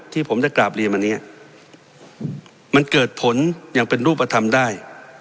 ที่ผมได้กราบเรียนมาเนี่ยมันเกิดผลอย่างเป็นรูปธรรมได้